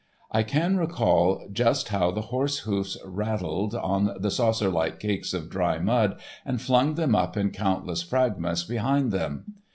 I can recall just how the horse hoofs rattled on the saucer like cakes of dry mud and flung them up in countless fragments behind them.